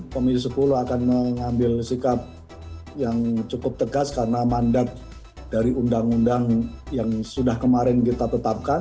komisi sepuluh akan mengambil sikap yang cukup tegas karena mandat dari undang undang yang sudah kemarin kita tetapkan